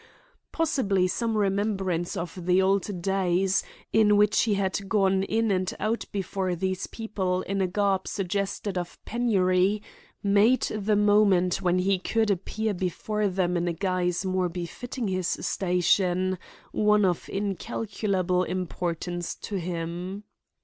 Possibly some remembrance of the old days, in which he had gone in and out before these people in a garb suggestive of penury, made the moment when he could appear before them in a guise more befitting his station one of incalculable importance to him.